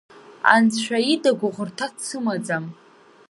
Анцәа ида гәыӷырҭа дсымаӡам.